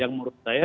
yang menurut saya